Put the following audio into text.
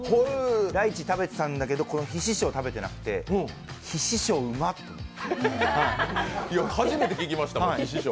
ライチ食べてたんだけど、この妃子笑は食べてなくて、初めて聞きましたもん。